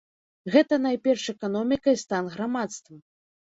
Гэта найперш эканоміка і стан грамадства.